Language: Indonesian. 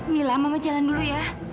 mila mau jalan dulu ya